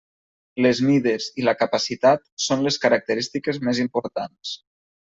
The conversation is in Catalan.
Les mides i la capacitat són les característiques més importants.